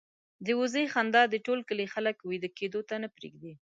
د وزې خندا د ټول کلي خلک وېده کېدو ته نه پرېږدي.